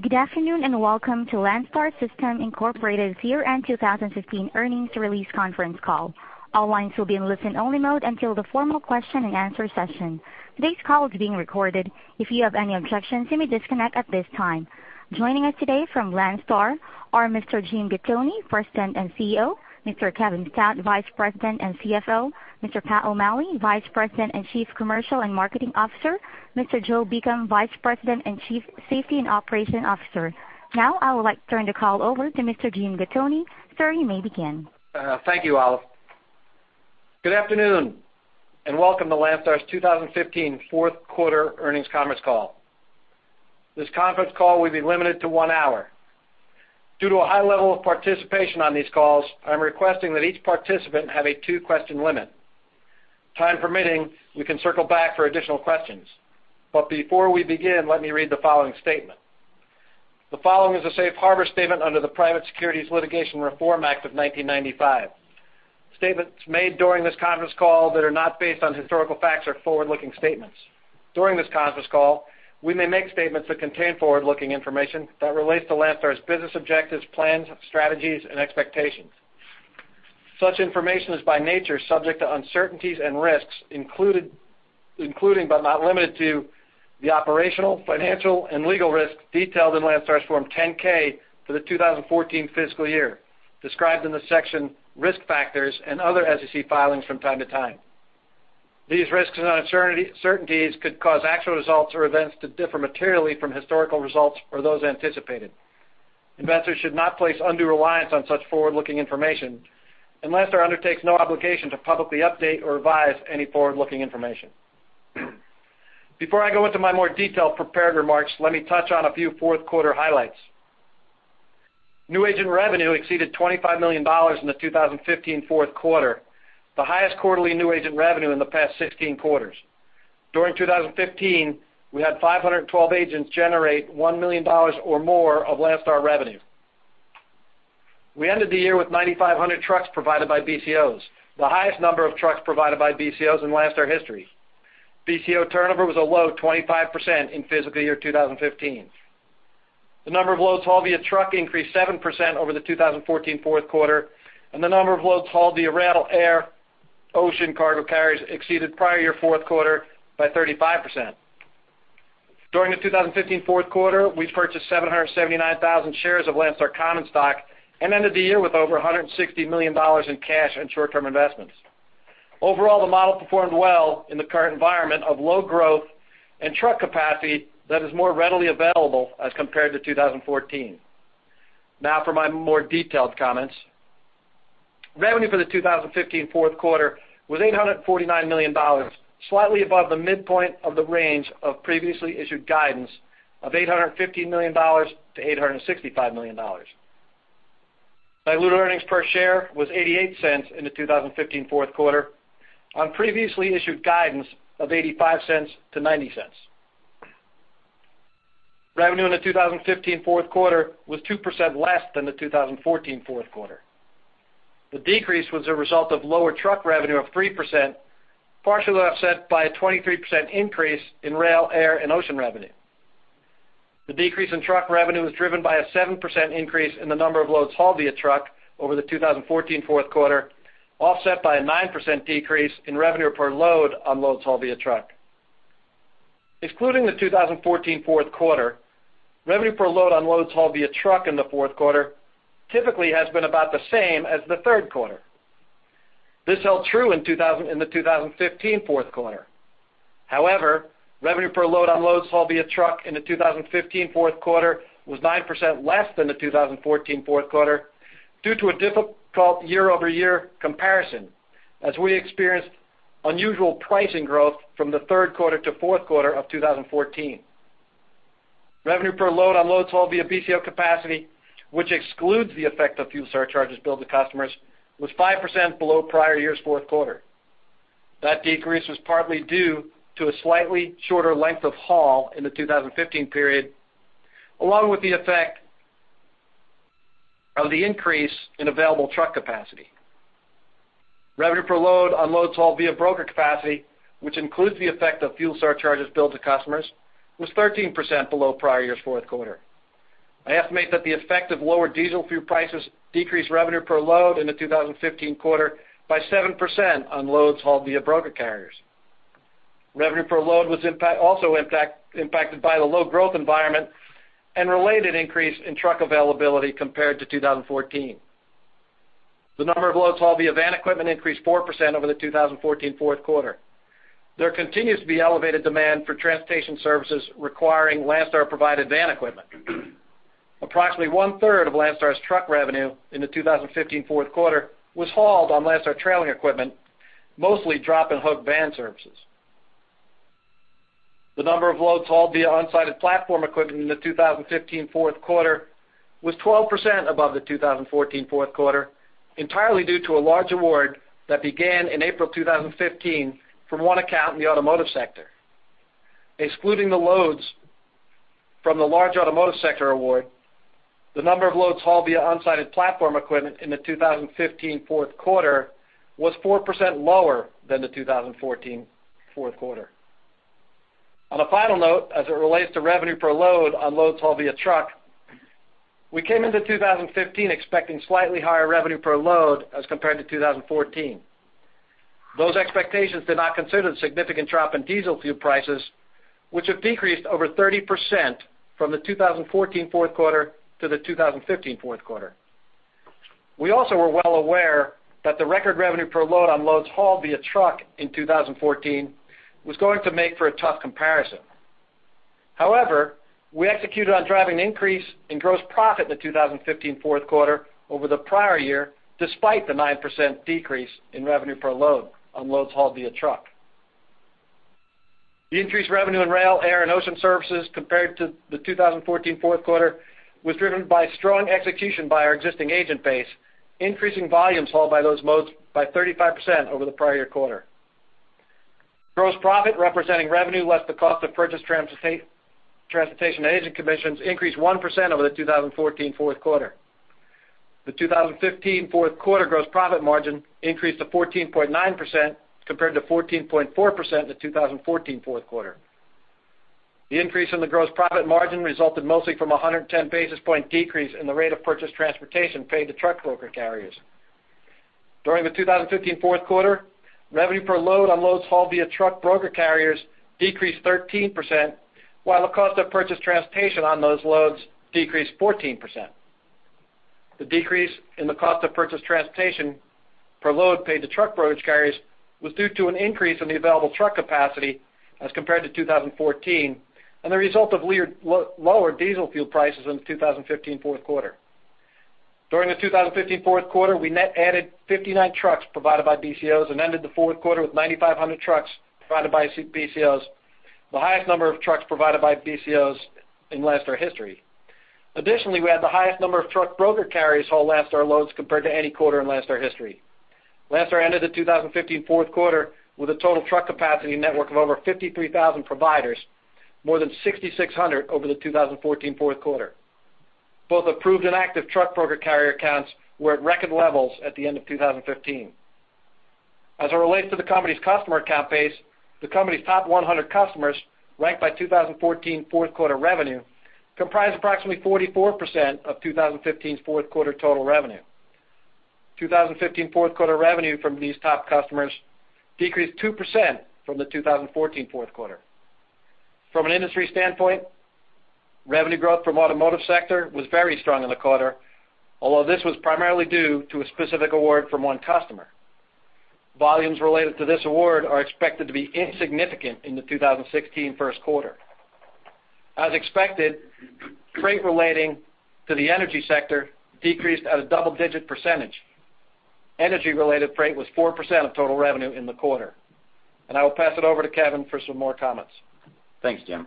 Good afternoon, and welcome to Landstar System Incorporated's Year-End 2015 Earnings Release Conference Call. All lines will be in listen-only mode until the formal question-and-answer session. Today's call is being recorded. If you have any objections, you may disconnect at this time. Joining us today from Landstar are Mr. James B. Gattoni, President and CEO, Mr. Kevin Stout, Vice President and CFO, Mr. Pat O'Malley, Vice President and Chief Commercial and Marketing Officer, Mr. Joe Beacom, Vice President and Chief Safety and Operations Officer. Now, I would like to turn the call over to Mr. James B. Gattoni. Sir, you may begin. Thank you, Alice. Good afternoon, and welcome to Landstar's 2015 Fourth Quarter Earnings Conference Call. This conference call will be limited to one hour. Due to a high level of participation on these calls, I'm requesting that each participant have a two-question limit. Time permitting, we can circle back for additional questions. But before we begin, let me read the following statement. The following is a safe harbor statement under the Private Securities Litigation Reform Act of 1995. Statements made during this conference call that are not based on historical facts are forward-looking statements. During this conference call, we may make statements that contain forward-looking information that relates to Landstar's business objectives, plans, strategies, and expectations. Such information is, by nature, subject to uncertainties and risks, including but not limited to the operational, financial, and legal risks detailed in Landstar's Form 10-K for the 2014 fiscal year, described in the section Risk Factors and other SEC filings from time to time. These risks and uncertainties could cause actual results or events to differ materially from historical results or those anticipated. Investors should not place undue reliance on such forward-looking information, Landstar undertakes no obligation to publicly update or revise any forward-looking information. Before I go into my more detailed prepared remarks, let me touch on a few fourth quarter highlights. New agent revenue exceeded $25 million in the 2015 fourth quarter, the highest quarterly new agent revenue in the past 16 quarters. During 2015, we had 512 agents generate $1 million or more of Landstar revenue. We ended the year with 9,500 trucks provided by BCOs, the highest number of trucks provided by BCOs in Landstar history. BCO turnover was a low 25% in fiscal year 2015. The number of loads hauled via truck increased 7% over the 2014 fourth quarter, and the number of loads hauled via rail, air, ocean cargo carriers exceeded prior year fourth quarter by 35%. During the 2015 fourth quarter, we purchased 779,000 shares of Landstar common stock and ended the year with over $160 million in cash and short-term investments. Overall, the model performed well in the current environment of low growth and truck capacity that is more readily available as compared to 2014. Now, for my more detailed comments. Revenue for the 2015 fourth quarter was $849 million, slightly above the midpoint of the range of previously issued guidance of $850 million-$865 million. Diluted earnings per share was $0.88 in the 2015 fourth quarter on previously issued guidance of $0.85-$0.90. Revenue in the 2015 fourth quarter was 2% less than the 2014 fourth quarter. The decrease was a result of lower truck revenue of 3%, partially offset by a 23% increase in rail, air, and ocean revenue. The decrease in truck revenue was driven by a 7% increase in the number of loads hauled via truck over the 2014 fourth quarter, offset by a 9% decrease in revenue per load on loads hauled via truck. Excluding the 2014 fourth quarter, revenue per load on loads hauled via truck in the fourth quarter typically has been about the same as the third quarter. This held true in the 2015 fourth quarter. However, revenue per load on loads hauled via truck in the 2015 fourth quarter was 9% less than the 2014 fourth quarter due to a difficult year-over-year comparison, as we experienced unusual pricing growth from the third quarter to fourth quarter of 2014. Revenue per load on loads hauled via BCO capacity, which excludes the effect of fuel surcharges billed to customers, was 5% below prior year's fourth quarter. That decrease was partly due to a slightly shorter length of haul in the 2015 period, along with the effect of the increase in available truck capacity. Revenue per load on loads hauled via broker capacity, which includes the effect of fuel surcharges billed to customers, was 13% below prior year's fourth quarter. I estimate that the effect of lower diesel fuel prices decreased revenue per load in the 2015 quarter by 7% on loads hauled via broker carriers. Revenue per load was impacted by the low growth environment and related increase in truck availability compared to 2014. The number of loads hauled via van equipment increased 4% over the 2014 fourth quarter. There continues to be elevated demand for transportation services requiring Landstar-provided van equipment. Approximately 1/3 of Landstar's truck revenue in the 2015 fourth quarter was hauled on Landstar trailing equipment, mostly drop and hook van services. The number of loads hauled via on-site platform equipment in the 2015 fourth quarter was 12% above the 2014 fourth quarter, entirely due to a large award that began in April 2015 from one account in the automotive sector. Excluding the loads from the large automotive sector award,...The number of loads hauled via on-site and platform equipment in the 2015 fourth quarter was 4% lower than the 2014 fourth quarter. On a final note, as it relates to revenue per load on loads hauled via truck, we came into 2015 expecting slightly higher revenue per load as compared to 2014. Those expectations did not consider the significant drop in diesel fuel prices, which have decreased over 30% from the 2014 fourth quarter to the 2015 fourth quarter. We also were well aware that the record revenue per load on loads hauled via truck in 2014 was going to make for a tough comparison. However, we executed on driving an increase in gross profit in the 2015 fourth quarter over the prior year, despite the 9% decrease in revenue per load on loads hauled via truck. The increased revenue in rail, air, and ocean services compared to the 2014 fourth quarter was driven by strong execution by our existing agent base, increasing volumes hauled by those modes by 35% over the prior year quarter. Gross profit, representing revenue less the cost of purchased transportation and agent commissions, increased 1% over the 2014 fourth quarter. The 2015 fourth quarter gross profit margin increased to 14.9%, compared to 14.4% in the 2014 fourth quarter. The increase in the gross profit margin resulted mostly from a 110 basis point decrease in the rate of purchased transportation paid to truck broker carriers. During the 2015 fourth quarter, revenue per load on loads hauled via truck broker carriers decreased 13%, while the cost of purchased transportation on those loads decreased 14%. The decrease in the cost of purchased transportation per load paid to truck brokerage carriers was due to an increase in the available truck capacity as compared to 2014, and the result of lower diesel fuel prices in the 2015 fourth quarter. During the 2015 fourth quarter, we net added 59 trucks provided by BCOs and ended the fourth quarter with 9,500 trucks provided by BCOs, the highest number of trucks provided by BCOs in Landstar history. Additionally, we had the highest number of truck broker carriers haul Landstar loads compared to any quarter in Landstar history. Landstar ended the 2015 fourth quarter with a total truck capacity network of over 53,000 providers, more than 6,600 over the 2014 fourth quarter. Both approved and active truck broker carrier accounts were at record levels at the end of 2015. As it relates to the company's customer account base, the company's top 100 customers, ranked by 2014 fourth quarter revenue, comprised approximately 44% of 2015's fourth quarter total revenue. 2015 fourth quarter revenue from these top customers decreased 2% from the 2014 fourth quarter. From an industry standpoint, revenue growth from automotive sector was very strong in the quarter, although this was primarily due to a specific award from one customer. Volumes related to this award are expected to be insignificant in the 2016 first quarter. As expected, freight relating to the energy sector decreased at a double-digit %. Energy-related freight was 4% of total revenue in the quarter. I will pass it over to Kevin for some more comments. Thanks, Jim.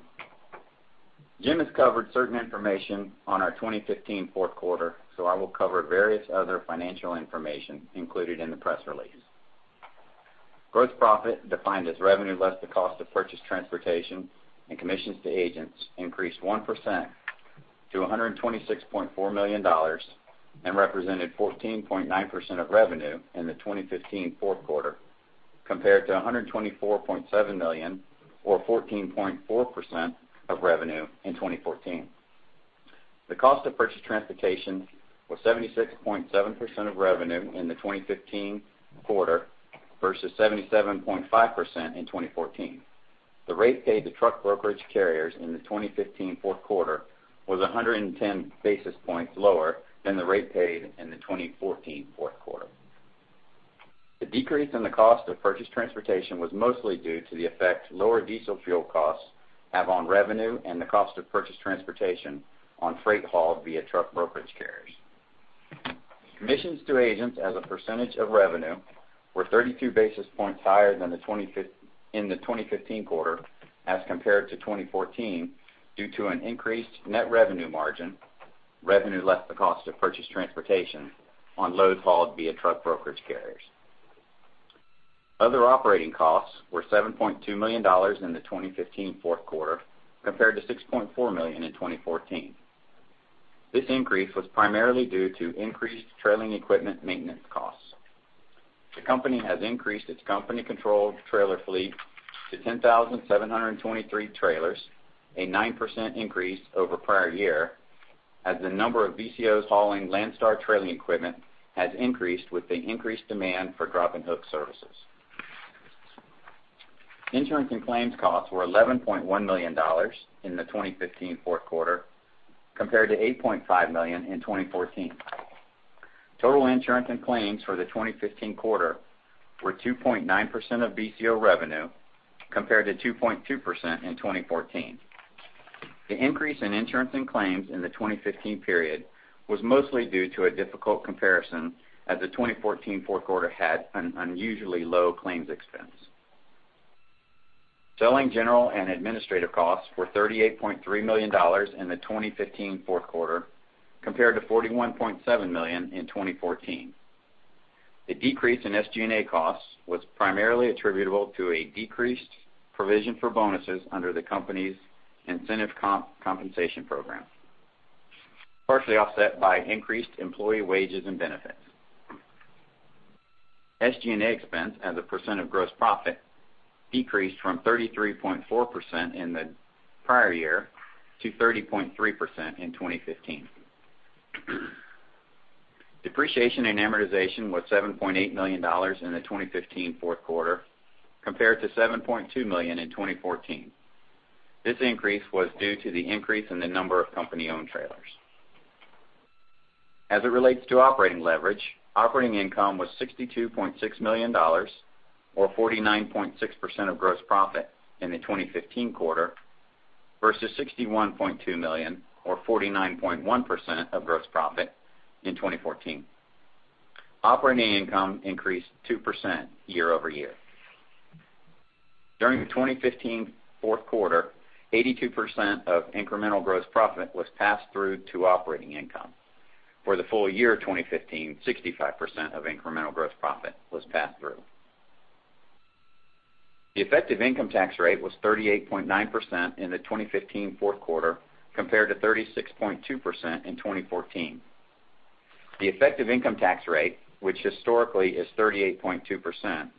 Jim has covered certain information on our 2015 fourth quarter, so I will cover various other financial information included in the press release. Gross profit, defined as revenue less the cost of purchased transportation and commissions to agents, increased 1% to $126.4 million, and represented 14.9% of revenue in the 2015 fourth quarter, compared to $124.7 million, or 14.4% of revenue in 2014. The cost of purchased transportation was 76.7% of revenue in the 2015 quarter vs 77.5% in 2014. The rate paid to truck brokerage carriers in the 2015 fourth quarter was 110 basis points lower than the rate paid in the 2014 fourth quarter. The decrease in the cost of purchased transportation was mostly due to the effect lower diesel fuel costs have on revenue and the cost of purchased transportation on freight hauled via truck brokerage carriers. Commissions to agents as a % of revenue were 32 basis points higher than the twenty-five in the 2015 quarter as compared to 2014, due to an increased net revenue margin, revenue less the cost of purchased transportation, on loads hauled via truck brokerage carriers. Other operating costs were $7.2 million in the 2015 fourth quarter, compared to $6.4 million in 2014. This increase was primarily due to increased trailing equipment maintenance costs. The company has increased its company-controlled trailer fleet to 10,723 trailers, a 9% increase over prior year, as the number of BCOs hauling Landstar trailing equipment has increased with the increased demand for drop and hook services. Insurance and claims costs were $11.1 million in the 2015 fourth quarter, compared to $8.5 million in 2014. Total insurance and claims for the 2015 quarter were 2.9% of BCO revenue, compared to 2.2% in 2014. The increase in insurance and claims in the 2015 period was mostly due to a difficult comparison, as the 2014 fourth quarter had an unusually low claims expense. Selling, general, and administrative costs were $38.3 million in the 2015 fourth quarter, compared to $41.7 million in 2014. The decrease in SG&A costs was primarily attributable to a decreased provision for bonuses under the company's incentive compensation program, partially offset by increased employee wages and benefits. SG&A expense as a % of gross profit decreased from 33.4% in the prior year to 30.3% in 2015. Depreciation and amortization was $7.8 million in the 2015 fourth quarter, compared to $7.2 million in 2014. This increase was due to the increase in the number of company-owned trailers. As it relates to operating leverage, operating income was $62.6 million, or 49.6% of gross profit in the 2015 quarter, vs $61.2 million, or 49.1% of gross profit in 2014. Operating income increased 2% year over year. During the 2015 fourth quarter, 82% of incremental gross profit was passed through to operating income. For the full year of 2015, 65% of incremental gross profit was passed through. The effective income tax rate was 38.9% in the 2015 fourth quarter, compared to 36.2% in 2014. The effective income tax rate, which historically is 38.2%,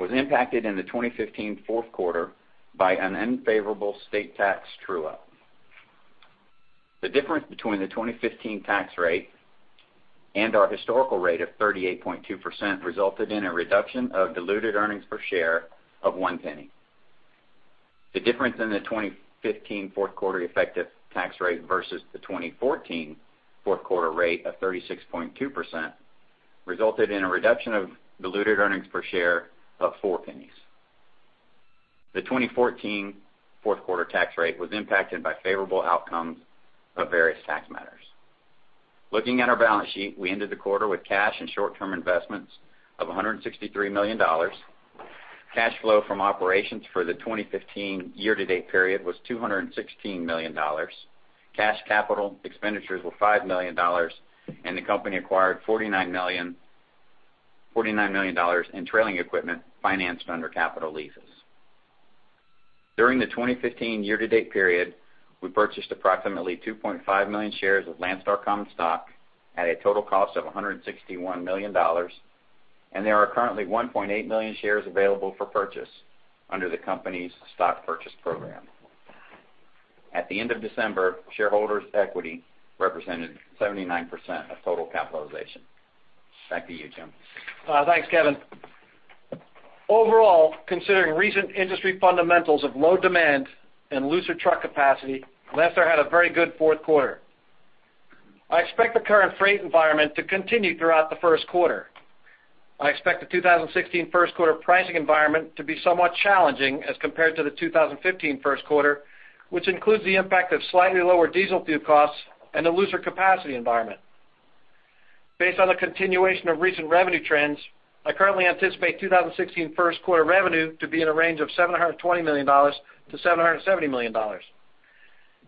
was impacted in the 2015 fourth quarter by an unfavorable state tax true-up. The difference between the 2015 tax rate and our historical rate of 38.2% resulted in a reduction of diluted earnings per share of $0.01. The difference in the 2015 fourth quarter effective tax rate vs the 2014 fourth quarter rate of 36.2%, resulted in a reduction of diluted earnings per share of $0.04. The 2014 fourth quarter tax rate was impacted by favorable outcomes of various tax matters. Looking at our balance sheet, we ended the quarter with cash and short-term investments of $163 million. Cash flow from operations for the 2015 year-to-date period was $216 million. Cash capital expenditures were $5 million, and the company acquired $49 million, $49 million dollars in trailing equipment financed under capital leases. During the 2015 year-to-date period, we purchased approximately 2.5 million shares of Landstar common stock at a total cost of $161 million, and there are currently 1.8 million shares available for purchase under the company's stock purchase program. At the end of December, shareholders' equity represented 79% of total capitalization. Back to you, Jim. Thanks, Kevin. Overall, considering recent industry fundamentals of low demand and looser truck capacity, Landstar had a very good fourth quarter. I expect the current freight environment to continue throughout the first quarter. I expect the 2016 first quarter pricing environment to be somewhat challenging as compared to the 2015 first quarter, which includes the impact of slightly lower diesel fuel costs and a looser capacity environment. Based on the continuation of recent revenue trends, I currently anticipate 2016 first quarter revenue to be in a range of $720 million-$770 million.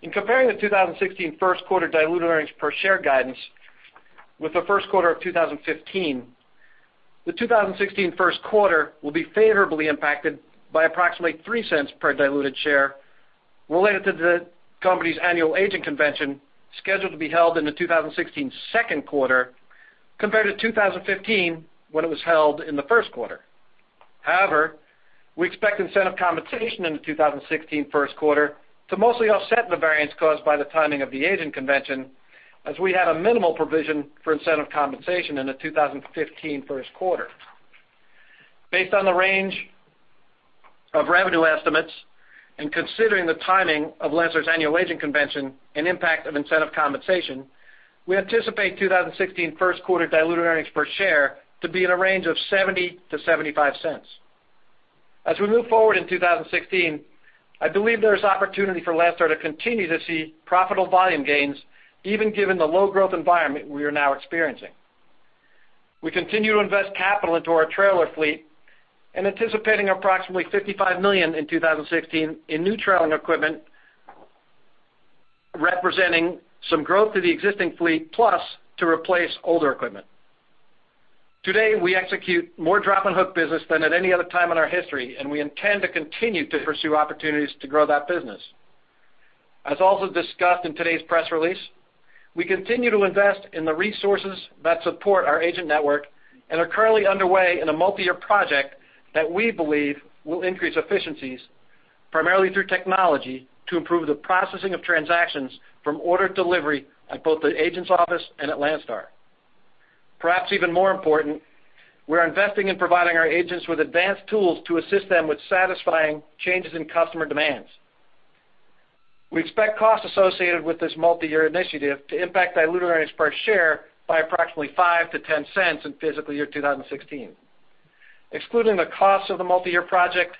In comparing the 2016 first quarter diluted earnings per share guidance with the first quarter of 2015, the 2016 first quarter will be favorably impacted by approximately $0.03 per diluted share, related to the company's annual agent convention, scheduled to be held in the 2016 second quarter, compared to 2015, when it was held in the first quarter. However, we expect incentive compensation in the 2016 first quarter to mostly offset the variance caused by the timing of the agent convention, as we had a minimal provision for incentive compensation in the 2015 first quarter. Based on the range of revenue estimates and considering the timing of Landstar's annual agent convention and impact of incentive compensation, we anticipate 2016 first quarter diluted earnings per share to be in a range of $0.70-$0.75. As we move forward in 2016, I believe there is opportunity for Landstar to continue to see profitable volume gains, even given the low growth environment we are now experiencing. We continue to invest capital into our trailer fleet, and anticipating approximately $55 million in 2016 in new trailing equipment, representing some growth to the existing fleet, plus to replace older equipment. Today, we execute more drop and hook business than at any other time in our history, and we intend to continue to pursue opportunities to grow that business. As also discussed in today's press release, we continue to invest in the resources that support our agent network and are currently underway in a multi-year project that we believe will increase efficiencies, primarily through technology, to improve the processing of transactions from order delivery at both the agent's office and at Landstar. Perhaps even more important, we're investing in providing our agents with advanced tools to assist them with satisfying changes in customer demands. We expect costs associated with this multi-year initiative to impact diluted earnings per share by approximately $0.05-$0.10 in fiscal year 2016. Excluding the costs of the multi-year project,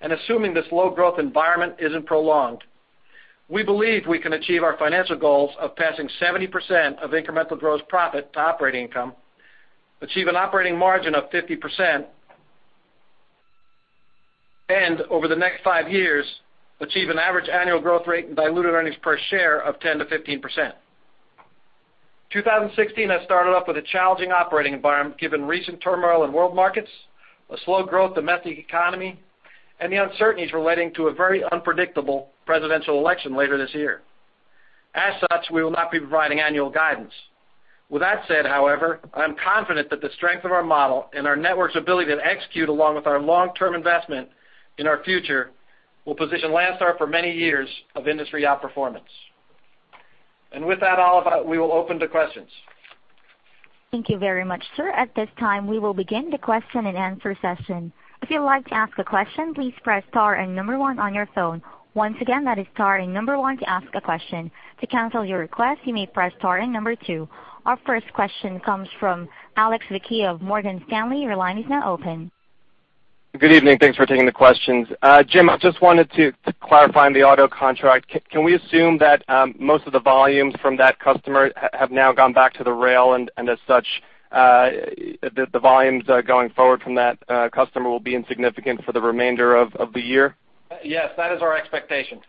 and assuming this low growth environment isn't prolonged, we believe we can achieve our financial goals of passing 70% of incremental gross profit to operating income, achieve an operating margin of 50%,... Over the next five years, achieve an average annual growth rate in diluted earnings per share of 10%-15%. 2016 has started off with a challenging operating environment, given recent turmoil in world markets, a slow growth domestic economy, and the uncertainties relating to a very unpredictable presidential election later this year. As such, we will not be providing annual guidance. With that said, however, I'm confident that the strength of our model and our network's ability to execute, along with our long-term investment in our future, will position Landstar for many years of industry outperformance. And with that, Oliver, we will open to questions. Thank you very much, sir. At this time, we will begin the question-and-answer session. If you'd like to ask a question, please press star and number one on your phone. Once again, that is star and number one to ask a question. To cancel your request, you may press star and number two. Our first question comes from Alex Vecchio of Morgan Stanley. Your line is now open. Good evening. Thanks for taking the questions. Jim, I just wanted to clarify on the auto contract, can we assume that most of the volumes from that customer have now gone back to the rail, and as such, the volumes going forward from that customer will be insignificant for the remainder of the year? Yes, that is our expectation.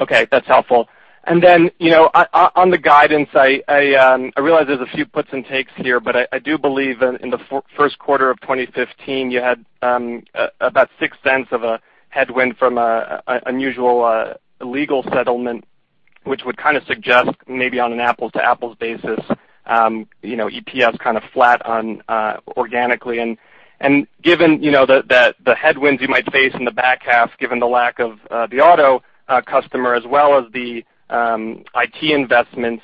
Okay, that's helpful. And then, you know, on the guidance, I realize there's a few puts and takes here, but I do believe in the first quarter of 2015, you had about $0.06 of a headwind from an unusual legal settlement, which would kind of suggest maybe on an apples-to-apples basis, you know, EPS kind of flat on organically. And given, you know, the headwinds you might face in the back half, given the lack of the auto customer, as well as the IT investments,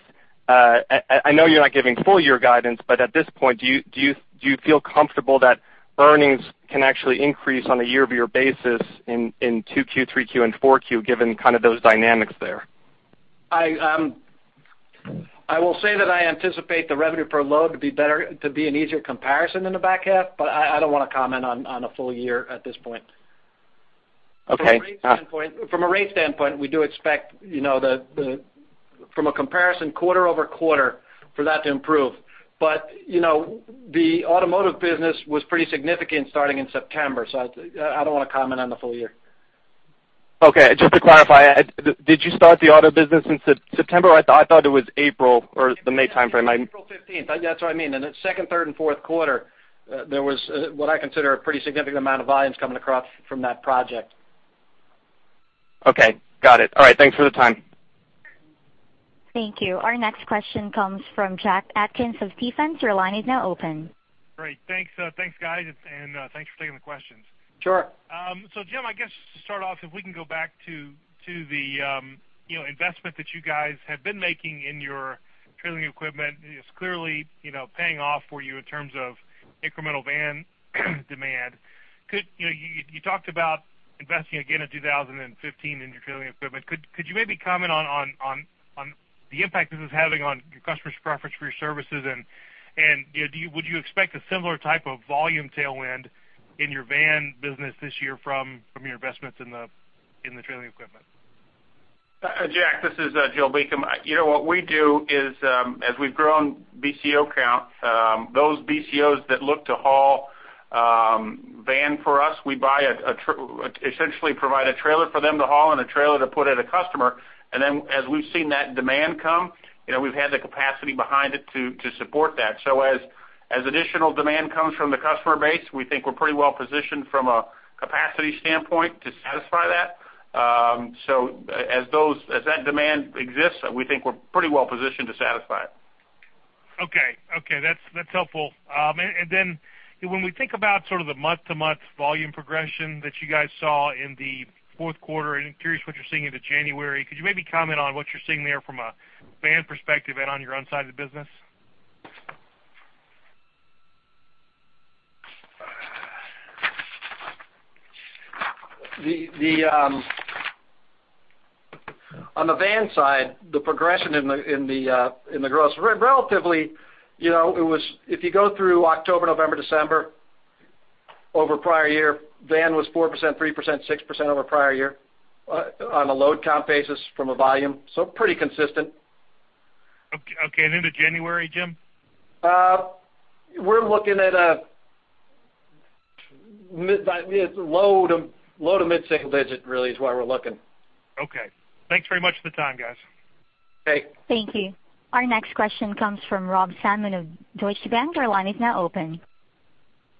I know you're not giving full year guidance, but at this point, do you feel comfortable that earnings can actually increase on a year-over-year basis in 2Q, 3Q, and 4Q, given kind of those dynamics there? I will say that I anticipate the revenue per load to be better, to be an easier comparison in the back half, but I don't want to comment on a full year at this point. Okay, uh- From a rate standpoint, from a rate standpoint, we do expect, you know, the, the from a comparison quarter-over-quarter for that to improve. But, you know, the automotive business was pretty significant starting in September, so I, I don't want to comment on the full year. Okay, just to clarify, did you start the auto business in September? I thought it was April or the May timeframe. I- April fifteenth, that's what I mean, and the second, third, and fourth quarter, there was what I consider a pretty significant amount of volumes coming across from that project. Okay, got it. All right, thanks for the time. Thank you. Our next question comes from Jack Atkins of Stifel. Your line is now open. Great. Thanks. Thanks, guys, and thanks for taking the questions. Sure. So, Jim, I guess to start off, if we can go back to the, you know, investment that you guys have been making in your trailing equipment, it's clearly, you know, paying off for you in terms of incremental van demand. You know, you talked about investing again in 2015 in your trailing equipment. Could you maybe comment on the impact this is having on your customers' preference for your services? And you know, would you expect a similar type of volume tailwind in your van business this year from your investments in the trailing equipment? Jack, this is Joe Beacom. You know, what we do is, as we've grown BCO count, those BCOs that look to haul van for us, we buy essentially provide a trailer for them to haul and a trailer to put at a customer. And then as we've seen that demand come, you know, we've had the capacity behind it to support that. So as additional demand comes from the customer base, we think we're pretty well positioned from a capacity standpoint to satisfy that. So as that demand exists, we think we're pretty well positioned to satisfy it. Okay, okay, that's, that's helpful. And then when we think about sort of the month-to-month volume progression that you guys saw in the fourth quarter, and I'm curious what you're seeing into January, could you maybe comment on what you're seeing there from a van perspective and on your own side of the business? On the van side, the progression in the growth, relatively, you know, it was if you go through October, November, December, over prior year, van was 4%, 3%, 6% over prior year, on a load count basis from a volume, so pretty consistent. Okay, and into January, Jim? We're looking at a mid-single digit. It's low to mid-single digit really is where we're looking. Okay. Thanks very much for the time, guys. Okay. Thank you. Our next question comes from Rob Salmon of Deutsche Bank. Your line is now open.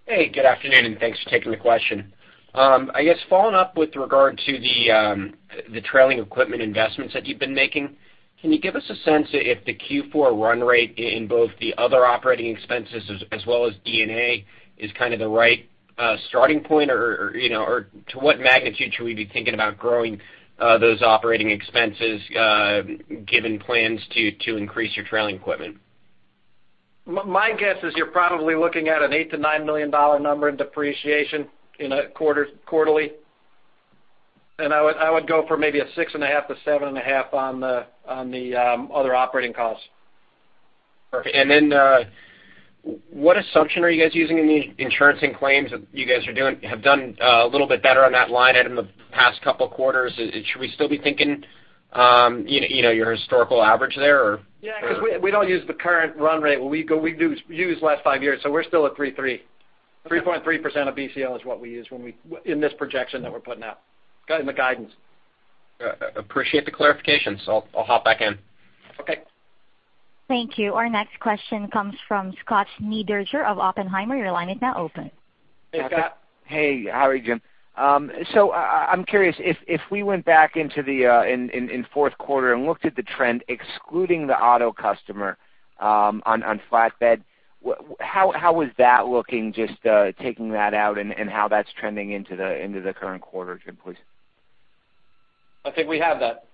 Hey, good afternoon, and thanks for taking the question. I guess following up with regard to the trailing equipment investments that you've been making, can you give us a sense if the Q4 run rate in both the other operating expenses as well as D&A is kind of the right starting point? Or, you know, or to what magnitude should we be thinking about growing those operating expenses given plans to increase your trailing equipment? My guess is you're probably looking at an $8 million-$9 million number in depreciation in a quarter, quarterly, and I would go for maybe a 6.5-7.5 on the other operating costs. Perfect. And then, what assumption are you guys using in the insurance and claims that you guys are doing? Have done a little bit better on that line item in the past couple of quarters. Should we still be thinking-... you know, your historical average there or? Yeah, because we don't use the current run rate. We go, we do use last five years, so we're still at 3.3% of BCO is what we use when we, in this projection that we're putting out, in the guidance. Got it. Appreciate the clarification. So I'll, I'll hop back in. Okay. Thank you. Our next question comes from Scott Schneeberger of Oppenheimer. Your line is now open. Hey, Scott. Hey, how are you, Jim? So I'm curious, if we went back into the fourth quarter and looked at the trend, excluding the auto customer, on flatbed, what, how is that looking, just taking that out and how that's trending into the current quarter, Jim, please? I think we have that.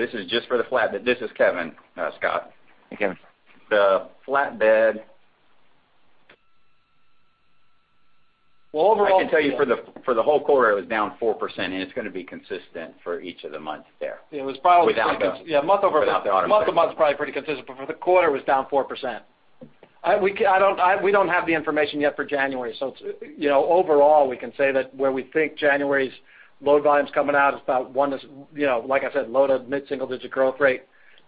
This is just for the flatbed. This is Kevin, Scott. Hey, Kevin. The flatbed- Well, overall- I can tell you for the whole quarter, it was down 4%, and it's gonna be consistent for each of the months there. It was probably- Without the- Yeah, month over- Without the auto. Month-over-month, probably pretty consistent, but for the quarter, it was down 4%. We don't have the information yet for January. So it's, you know, overall, we can say that where we think January's load volume's coming out, it's about 1, you know, like I said, low- to mid-single-digit growth rate,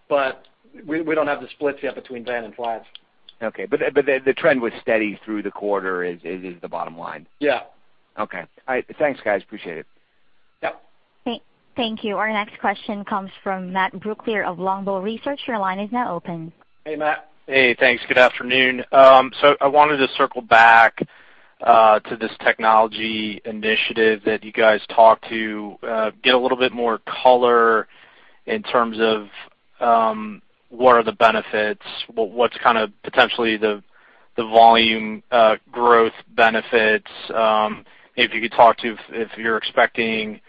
but we don't have the splits yet between van and flats. Okay. But the trend was steady through the quarter is the bottom line? Yeah. Okay. Thanks, guys. Appreciate it. Yep. Thank you. Our next question comes from Matt Brooklier of Longbow Research. Your line is now open. Hey, Matt. Hey, thanks. Good afternoon. So I wanted to circle back to this technology initiative that you guys talked to get a little bit more color in terms of what are the benefits, what's kind of potentially the volume growth benefits? If you could talk to if you're expecting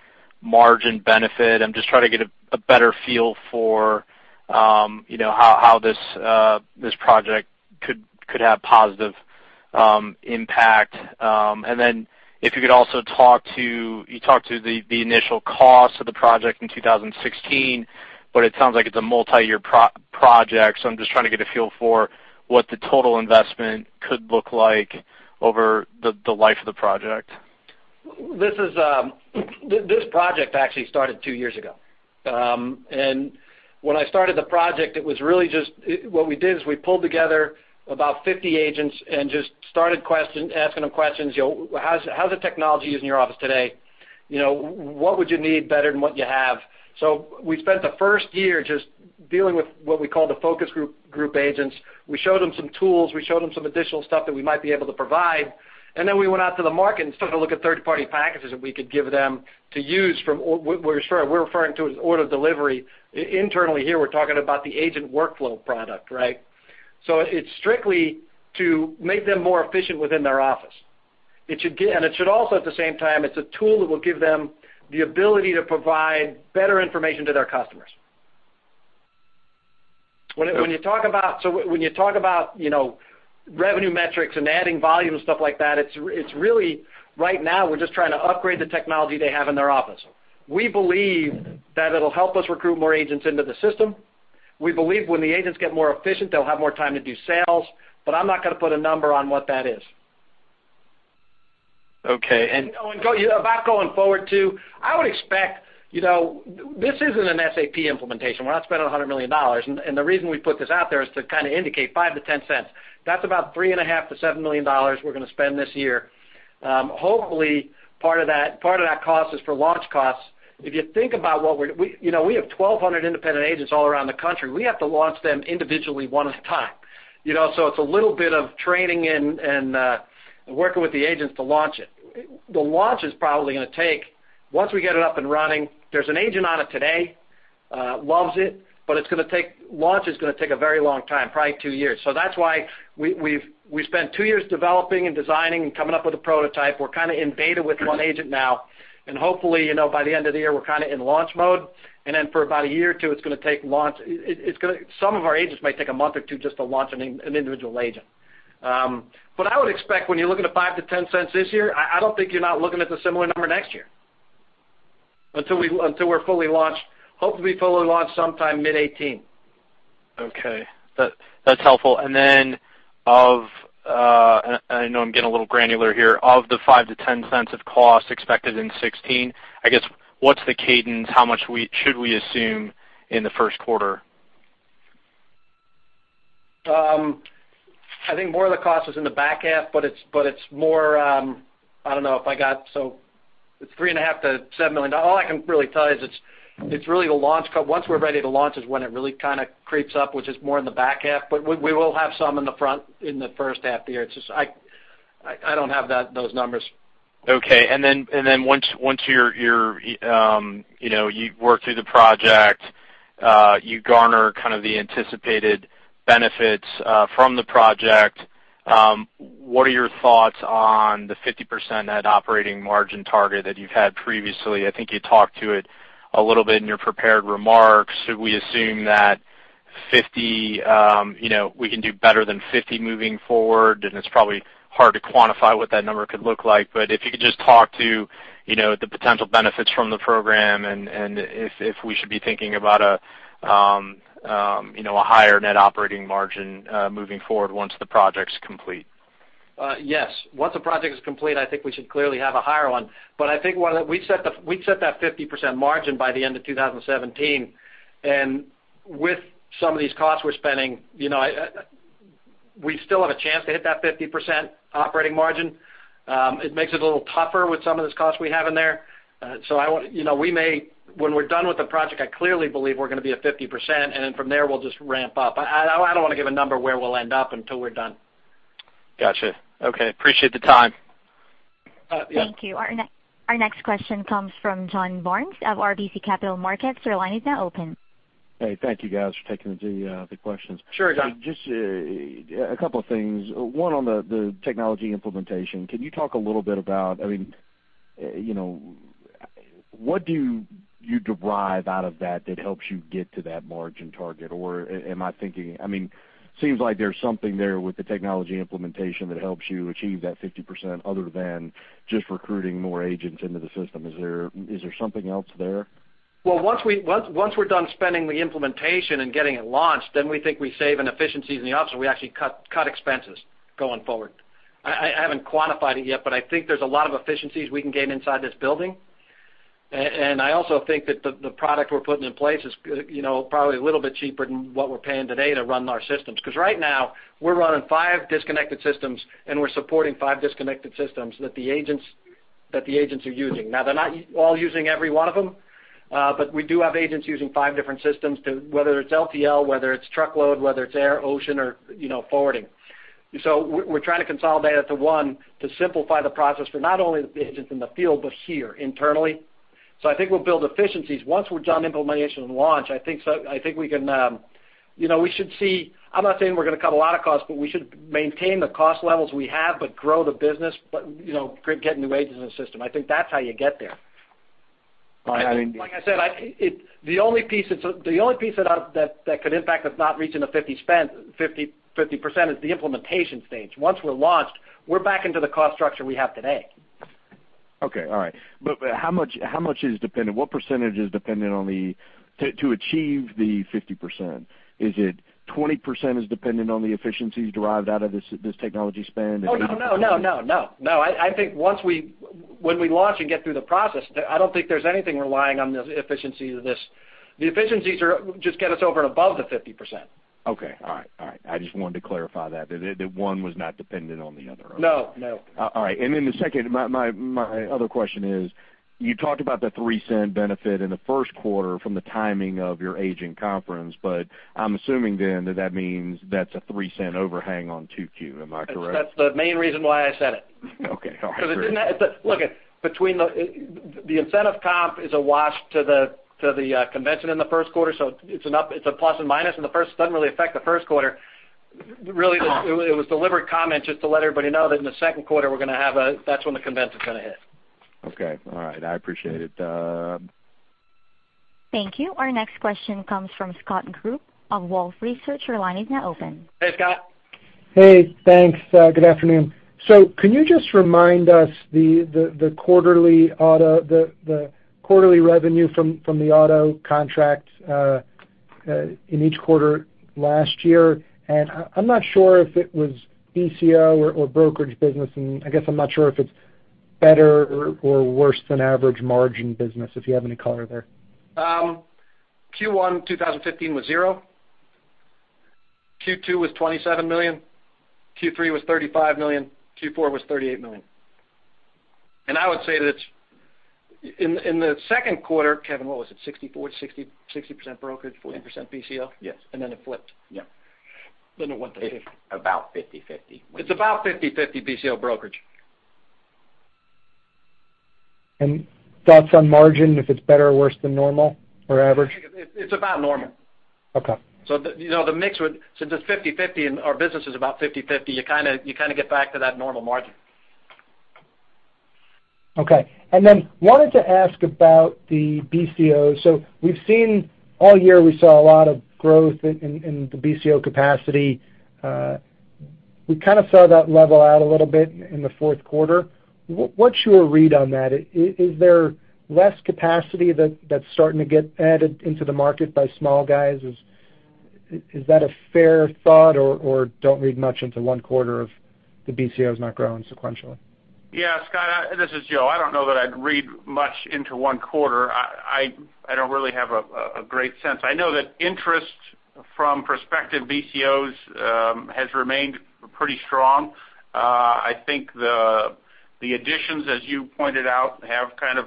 margin benefit. I'm just trying to get a better feel for you know how this project could have positive impact. And then if you could also talk to... You talked to the initial cost of the project in 2016, but it sounds like it's a multiyear project. So I'm just trying to get a feel for what the total investment could look like over the life of the project. This is, this project actually started two years ago. And when I started the project, it was really just, it, what we did is we pulled together about 50 agents and just started asking them questions, you know, how's the technology used in your office today? You know, what would you need better than what you have? So we spent the first year just dealing with what we call the focus group agents. We showed them some tools, we showed them some additional stuff that we might be able to provide, and then we went out to the market and started to look at third-party packages that we could give them to use from what we're referring to as order delivery. Internally here, we're talking about the agent workflow product, right? So it's strictly to make them more efficient within their office. It should give, and it should also, at the same time, it's a tool that will give them the ability to provide better information to their customers. So when you talk about, you know, revenue metrics and adding volume and stuff like that, it's really, right now, we're just trying to upgrade the technology they have in their office. We believe that it'll help us recruit more agents into the system. We believe when the agents get more efficient, they'll have more time to do sales, but I'm not gonna put a number on what that is. Okay. And- Oh, and going forward, too, I would expect, you know, this isn't an SAP implementation. We're not spending $100 million, and the reason we put this out there is to kind of indicate $0.05-$0.10. That's about $3.5 million-$7 million we're gonna spend this year. Hopefully, part of that, part of that cost is for launch costs. If you think about what we're... We, you know, we have 1,200 independent agents all around the country. We have to launch them individually, one at a time. You know, so it's a little bit of training and working with the agents to launch it. The launch is probably gonna take, once we get it up and running, there's an agent on it today, loves it, but it's gonna take. Launch is gonna take a very long time, probably two years. So that's why we've spent two years developing and designing and coming up with a prototype. We're kind of in beta with one agent now, and hopefully, you know, by the end of the year, we're kind of in launch mode. And then for about a year or two, it's gonna take launch, it's gonna. Some of our agents might take a month or two just to launch an individual agent. But I would expect when you're looking at $0.05-$0.10 this year, I don't think you're not looking at the similar number next year. Until we're fully launched, hopefully, we fully launch sometime mid-2018. Okay. That's helpful. And then of, I know I'm getting a little granular here. Of the $0.05-$0.10 of cost expected in 2016, I guess, what's the cadence? How much should we assume in the first quarter? I think more of the cost is in the back half, but it's more. So it's $3.5 million-$7 million. All I can really tell you is it's really the launch. But once we're ready to launch is when it really kind of creeps up, which is more in the back half, but we will have some in the front, in the first half of the year. It's just I don't have those numbers. Okay. And then once you're, you know, you work through the project, you garner kind of the anticipated benefits from the project, what are your thoughts on the 50% net operating margin target that you've had previously? I think you talked to it a little bit in your prepared remarks. Should we assume that 50, you know, we can do better than 50 moving forward? And it's probably hard to quantify what that number could look like, but if you could just talk to, you know, the potential benefits from the program and if we should be thinking about a, you know, a higher net operating margin moving forward once the project's complete. Yes, once a project is complete, I think we should clearly have a higher one. But I think one of the—we set that 50% margin by the end of 2017, and with some of these costs we're spending, you know, we still have a chance to hit that 50% operating margin. It makes it a little tougher with some of this cost we have in there. So, you know, we may, when we're done with the project, I clearly believe we're going to be at 50%, and then from there, we'll just ramp up. I don't want to give a number where we'll end up until we're done. Got you. Okay, appreciate the time. Uh, yeah. Thank you. Our next question comes from John Barnes of RBC Capital Markets. Your line is now open. Hey, thank you guys for taking the questions. Sure, John. Just a couple of things. One, on the technology implementation, can you talk a little bit about, I mean, you know, what do you derive out of that that helps you get to that margin target? Or am I thinking, I mean, seems like there's something there with the technology implementation that helps you achieve that 50%, other than just recruiting more agents into the system. Is there something else there? Well, once we're done spending the implementation and getting it launched, then we think we save in efficiencies in the office, so we actually cut expenses going forward. I haven't quantified it yet, but I think there's a lot of efficiencies we can gain inside this building. And I also think that the product we're putting in place is, you know, probably a little bit cheaper than what we're paying today to run our systems. Because right now, we're running five disconnected systems, and we're supporting five disconnected systems that the agents are using. Now, they're not all using every one of them, but we do have agents using five different systems to whether it's LTL, whether it's truckload, whether it's air, ocean, or, you know, forwarding. So we're trying to consolidate it to one, to simplify the process for not only the agents in the field, but here, internally. So I think we'll build efficiencies. Once we're done with implementation and launch, I think we can, you know, we should see. I'm not saying we're going to cut a lot of costs, but we should maintain the cost levels we have, but grow the business, but, you know, get new agents in the system. I think that's how you get there. I mean- Like I said, the only piece that could impact us not reaching the 50% spend is the implementation stage. Once we're launched, we're back into the cost structure we have today. Okay, all right. But how much, how much is dependent? What % is dependent on the—to, to achieve the 50%? Is it 20% is dependent on the efficiencies derived out of this, this technology spend? Oh, no, no, no, no, no. I think once we, when we launch and get through the process, I don't think there's anything relying on the efficiency of this. The efficiencies are just to get us over and above the 50%. Okay, all right. All right. I just wanted to clarify that, that one was not dependent on the other. No, no. All right. And then the second, other question is: you talked about the $0.03 benefit in the first quarter from the timing of your agent conference, but I'm assuming then that, that means that's a $0.03 overhang on 2Q. Am I correct? That's the main reason why I said it. Okay, all right. Because it didn't. Look, between the incentive comp is a wash to the convention in the first quarter, so it's an up, it's a plus and minus, and the first doesn't really affect the first quarter. Really, it was deliberate comment just to let everybody know that in the second quarter, we're going to have a - that's when the convention is going to hit. Okay, all right. I appreciate it. Thank you. Our next question comes from Scott Group of Wolfe Research. Your line is now open. Hey, Scott. Hey, thanks. Good afternoon. So can you just remind us the quarterly auto, the quarterly revenue from the auto contract in each quarter last year? And I'm not sure if it was BCO or Brokerage business, and I guess I'm not sure if it's better or worse than average margin business, if you have any color there. Q1 2015 was $0. Q2 was $27 million. Q3 was $35 million. Q4 was $38 million. And I would say that in the second quarter, Kevin, what was it? 64, 60, 60% Brokerage, 40% BCO? Yes. And then it flipped. Yeah. Then it went to 50. About 50/50. It's about 50/50, BCO Brokerage. Thoughts on margin, if it's better or worse than normal or average? It's about normal. Okay. So the, you know, the mix with, since it's 50/50, and our business is about 50/50, you kind of, you kind of get back to that normal margin. Okay. And then wanted to ask about the BCO. So we've seen all year, we saw a lot of growth in the BCO capacity. We kind of saw that level out a little bit in the fourth quarter. What's your read on that? Is there less capacity that's starting to get added into the market by small guys? Is that a fair thought, or don't read much into one quarter of the BCO is not growing sequentially? Yeah, Scott, this is Joe. I don't know that I'd read much into one quarter. I don't really have a great sense. I know that interest from prospective BCOs has remained pretty strong. I think the additions, as you pointed out, have kind of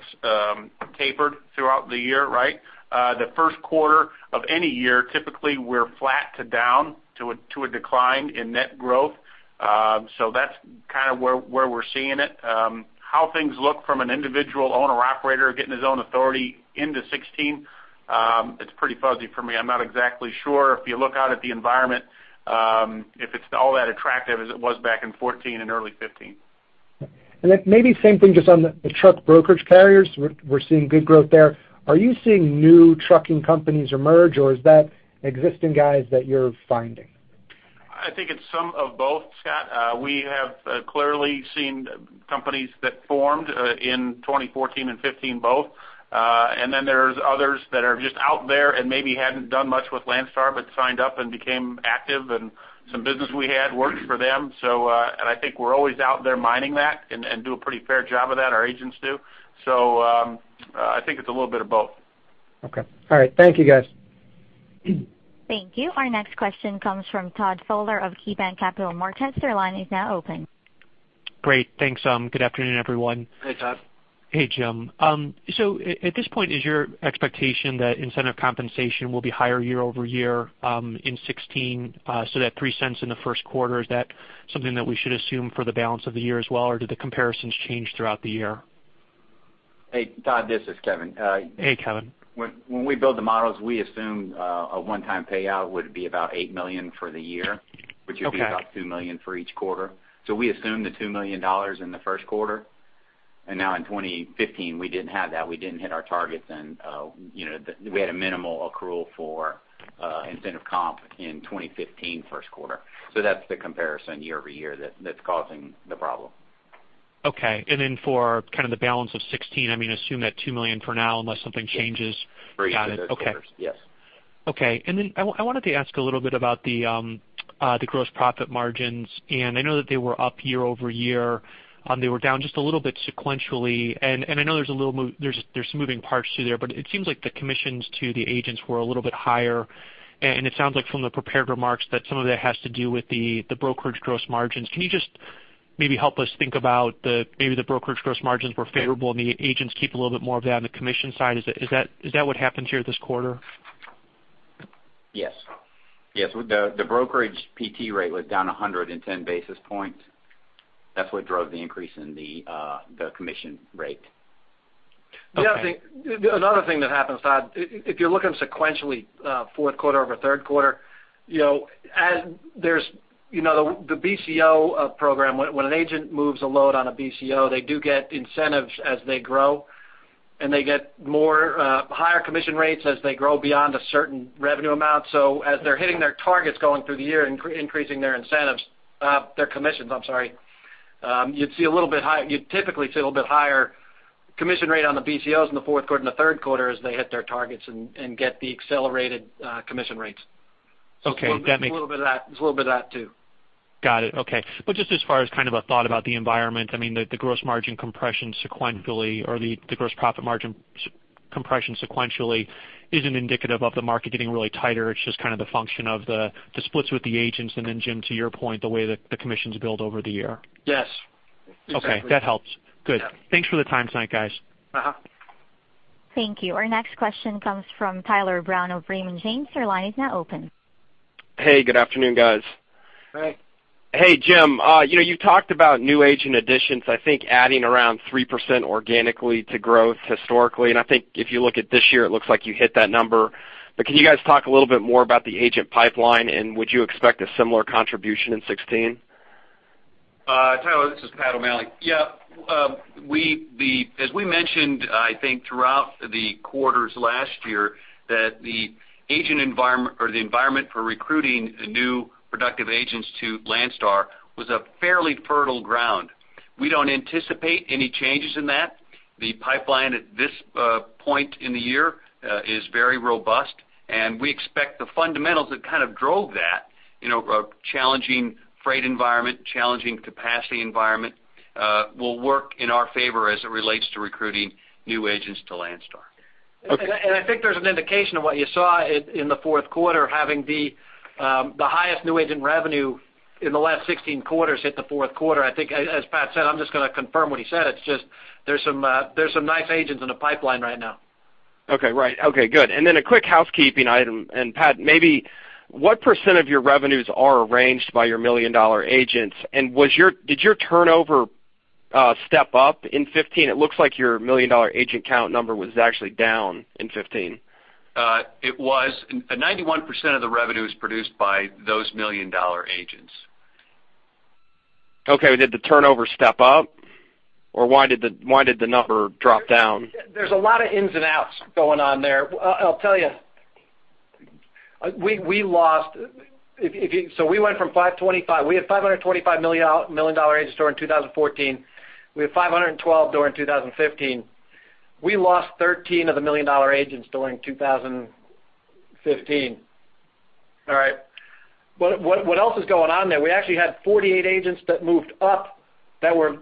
tapered throughout the year, right? The first quarter of any year, typically, we're flat to down to a decline in net growth. So that's kind of where we're seeing it. How things look from an individual owner-operator getting his own authority in 2016, it's pretty fuzzy for me. I'm not exactly sure if you look out at the environment, if it's all that attractive as it was back in 2014 and early 2015. Then maybe same thing just on the truck brokerage carriers. We're seeing good growth there. Are you seeing new trucking companies emerge, or is that existing guys that you're finding?... I think it's some of both, Scott. We have clearly seen companies that formed in 2014 and 2015 both. And then there's others that are just out there and maybe hadn't done much with Landstar, but signed up and became active, and some business we had worked for them. So, and I think we're always out there mining that and do a pretty fair job of that, our agents do. So, I think it's a little bit of both. Okay. All right. Thank you, guys. Thank you. Our next question comes from Todd Fowler of KeyBanc Capital Markets. Your line is now open. Great. Thanks. Good afternoon, everyone. Hey, Todd. Hey, Jim. So at this point, is your expectation that incentive compensation will be higher year-over-year in 2016? So that $0.03 in the first quarter, is that something that we should assume for the balance of the year as well, or do the comparisons change throughout the year? Hey, Todd, this is Kevin. Hey, Kevin. When we build the models, we assume a one-time payout would be about $8 million for the year- Okay. which would be about $2 million for each quarter. So we assume the $2 million in the first quarter, and now in 2015, we didn't have that. We didn't hit our targets, and, you know, we had a minimal accrual for incentive comp in 2015, first quarter. So that's the comparison year-over-year that's causing the problem. Okay. And then for kind of the balance of 2016, I mean, assume that $2 million for now, unless something changes. Yes. Got it. Okay. Yes. Okay. And then I wanted to ask a little bit about the gross profit margins, and I know that they were up year-over-year. They were down just a little bit sequentially, and I know there's some moving parts through there, but it seems like the commissions to the agents were a little bit higher. And it sounds like from the prepared remarks that some of that has to do with the brokerage gross margins. Can you just maybe help us think about the brokerage gross margins were favorable, and the agents keep a little bit more of that on the commission side? Is that what happened here this quarter? Yes. Yes, the brokerage PT rate was down 110 basis points. That's what drove the increase in the commission rate. Okay. The other thing, another thing that happened, Todd, if you're looking sequentially, fourth quarter over third quarter, you know, as there's... You know, the BCO program, when an agent moves a load on a BCO, they do get incentives as they grow, and they get more higher commission rates as they grow beyond a certain revenue amount. So as they're hitting their targets going through the year, increasing their incentives, their commissions, I'm sorry, you'd see a little bit you'd typically see a little bit higher commission rate on the BCOs in the fourth quarter and the third quarter as they hit their targets and get the accelerated commission rates. Okay, that makes- A little bit of that, there's a little bit of that, too. Got it. Okay. But just as far as kind of a thought about the environment, I mean, the gross margin compression sequentially or the gross profit margin compression sequentially isn't indicative of the market getting really tighter. It's just kind of the function of the splits with the agents, and then, Jim, to your point, the way that the commissions build over the year. Yes, exactly. Okay, that helps. Good. Yeah. Thanks for the time tonight, guys. Uh-huh. Thank you. Our next question comes from Tyler Brown of Raymond James. Your line is now open. Hey, good afternoon, guys. Hey. Hey, Jim. You know, you talked about new agent additions, I think, adding around 3% organically to growth historically. I think if you look at this year, it looks like you hit that number. But can you guys talk a little bit more about the agent pipeline, and would you expect a similar contribution in 2016? Tyler, this is Pat O'Malley. We, as we mentioned, I think, throughout the quarters last year, that the agent environment or the environment for recruiting new productive agents to Landstar was a fairly fertile ground. We don't anticipate any changes in that. The pipeline at this point in the year is very robust, and we expect the fundamentals that kind of drove that, you know, a challenging freight environment, challenging capacity environment, will work in our favor as it relates to recruiting new agents to Landstar. Okay. And I think there's an indication of what you saw in the fourth quarter, having the highest new agent revenue in the last 16 quarters hit the fourth quarter. I think, as Pat said, I'm just going to confirm what he said. It's just there's some nice agents in the pipeline right now. Okay, right. Okay, good. And then a quick housekeeping item. And Pat, maybe what % of your revenues are arranged by your million-dollar agents? And was your- did your turnover step up in 2015? It looks like your million-dollar agent count number was actually down in 2015. It was. And 91% of the revenue is produced by those million-dollar agents. Okay. Did the turnover step up, or why did the, why did the number drop down? There's a lot of ins and outs going on there. I'll tell you, we went from 525, we had 525 million-dollar agents during 2014. We had 512 during 2015. We lost 13 of the million-dollar agents during 2015. All right? But what else is going on there? We actually had 48 agents that moved up, that were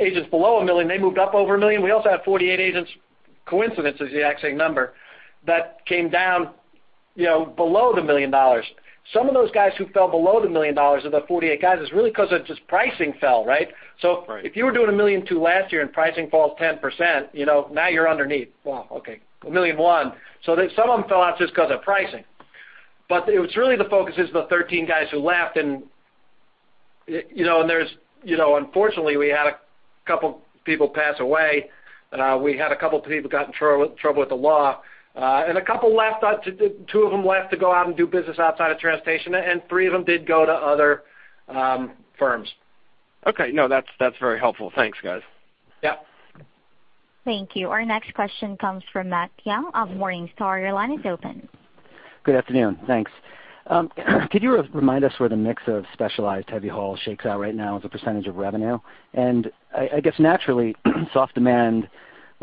agents below $1 million, they moved up over $1 million. We also had 48 agents, coincidence is the exact same number, that came down, you know, below $1 million. Some of those guys who fell below $1 million of the 48 guys is really because of just pricing fell, right? Right. So if you were doing $1.2 million last year, and pricing falls 10%, you know, now you're underneath. Well, okay, $1.1 million. So some of them fell out just because of pricing. But it was really the focus is the 13 guys who left. And you know, and there's, you know, unfortunately, we had a couple people pass away, we had a couple people got in trouble with the law, and a couple left out to. Two of them left to go out and do business outside of transportation, and three of them did go to other firms. Okay. No, that's, that's very helpful. Thanks, guys. Yeah. Thank you. Our next question comes from Matt Young of Morningstar. Your line is open. Good afternoon. Thanks. Could you remind us where the mix of specialized heavy haul shakes out right now as a % of revenue? And I guess naturally, soft demand will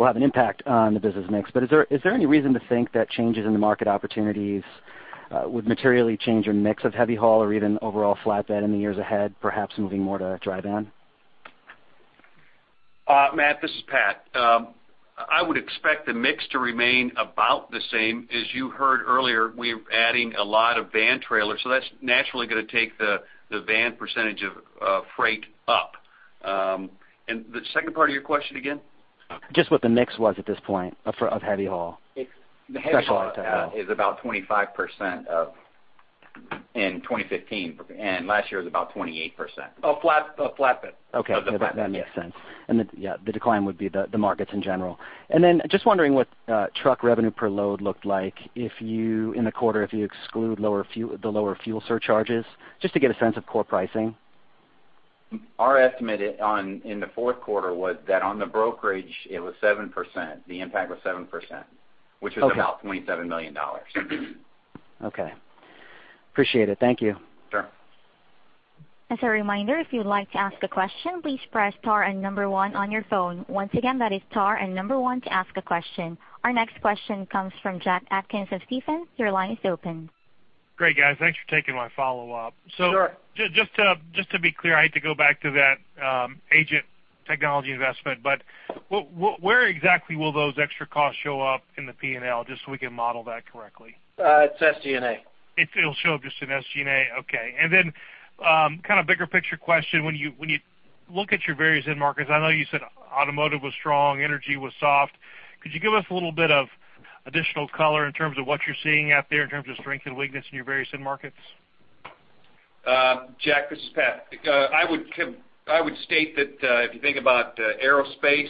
have an impact on the business mix. But is there any reason to think that changes in the market opportunities would materially change your mix of heavy haul or even overall flatbed in the years ahead, perhaps moving more to dry van? Matt, this is Pat. I would expect the mix to remain about the same. As you heard earlier, we're adding a lot of van trailers, so that's naturally gonna take the van % of freight up. And the second part of your question again? Just what the mix was at this point for heavy haul. It's- Specialized heavy haul.... The heavy haul is about 25% of in 2015, and last year was about 28%. Of flatbed. Okay. Of the flatbed. That makes sense. And the decline would be the markets in general. And then just wondering what truck revenue per load looked like in the quarter if you exclude lower fuel, the lower fuel surcharges, just to get a sense of core pricing. Our estimate on in the fourth quarter was that on the brokerage, it was 7%. The impact was 7%- Okay. - which is about $27 million. Okay. Appreciate it. Thank you. Sure. As a reminder, if you'd like to ask a question, please press star and number one on your phone. Once again, that is star and number one to ask a question. Our next question comes from Jack Atkins of Stifel. Your line is open. Great, guys. Thanks for taking my follow-up. Sure. So just to, just to be clear, I have to go back to that agent technology investment, but where exactly will those extra costs show up in the P&L, just so we can model that correctly? It's SG&A. It, it'll show up just in SG&A? Okay. And then, kind of bigger picture question, when you, when you look at your various end markets, I know you said automotive was strong, energy was soft. Could you give us a little bit of additional color in terms of what you're seeing out there in terms of strength and weakness in your various end markets? Jack, this is Pat. I would state that if you think about aerospace,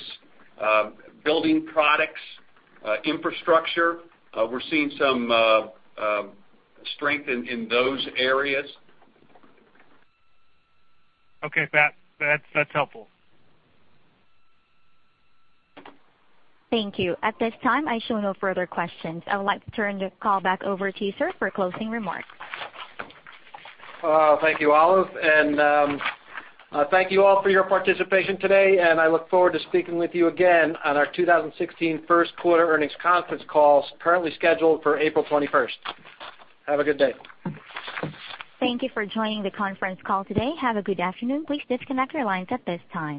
building products, infrastructure, we're seeing some strength in those areas. Okay, Pat, that's, that's helpful. Thank you. At this time, I show no further questions. I would like to turn the call back over to you, sir, for closing remarks. Thank you, Olive, and thank you all for your participation today, and I look forward to speaking with you again on our 2016 First Quarter Earnings Conference Call, currently scheduled for April 21st. Have a good day. Thank you for joining the conference call today. Have a good afternoon. Please disconnect your lines at this time.